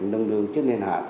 nâng ngương trước đền hạ